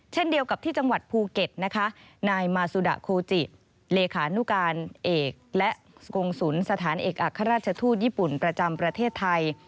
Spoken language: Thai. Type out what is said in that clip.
เช่นเดียวกับที่จังหวัดภูเก็ตนะคะนายมาซูดะโคจิเลขานุการเอกและกงศุลสถานเอกอัครราชทูตญี่ปุ่นประจำประเทศไทย